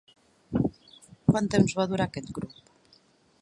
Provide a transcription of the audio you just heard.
Quant temps va durar aquest grup?